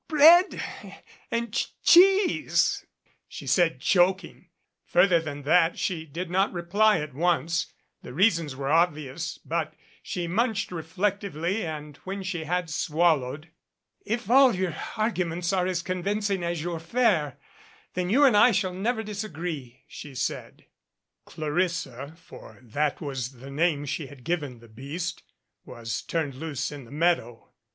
"Or their b bread and ch cheese !" she said, choking. Further than that she did not reply at once. The reasons were obvious. But she munched reflectively, and when she had swallowed: "If all your arguments are as convincing as your fare, then you and I shall never disagree," she said. Clarissa, for that was the name she had given the beast, was turned loose in the meadow.